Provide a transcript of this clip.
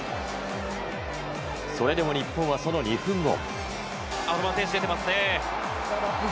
それでも日本はその２分後。